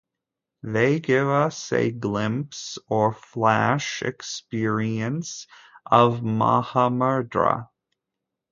They give us a glimpse or flash experience of Mahamudra.